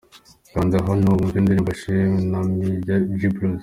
Kanda hano wumve indirimbo 'Cheza Na Mi' ya G-Bruce.